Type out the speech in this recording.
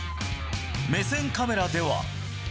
目線カメラでは。